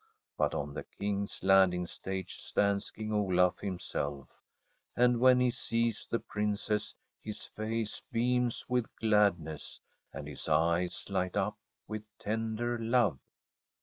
But on the King's Landing Stage stands King Olaf himself, and when he sees the Princess his face beams with gladness, and his eyes light up with tender love.